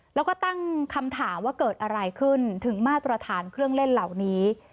แล้วก็ตั้งคำถามว่าเกิดอะไรขึ้นถึงมาตรฐานเครื่องเล่นเหล่านี้